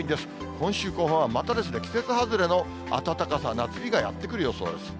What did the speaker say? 今週後半は、また季節外れの暖かさ、夏日がやって来る予想です。